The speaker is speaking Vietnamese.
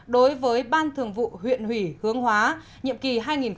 đối với ban thường vụ huyện ủy hướng hóa nhiệm kỳ hai nghìn hai mươi hai nghìn hai mươi